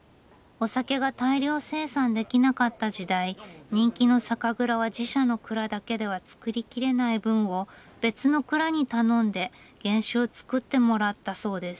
お酒が大量生産できなかった時代人気の酒蔵は自社の蔵だけでは造りきれない分を別の蔵に頼んで原酒を造ってもらったそうです。